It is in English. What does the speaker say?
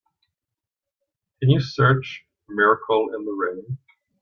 Can you search Miracle in the Rain?